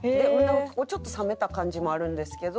ちょっと冷めた感じもあるんですけど。